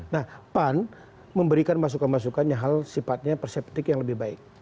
nah pan memberikan masukan masukan yang hal sifatnya perseptik yang lebih baik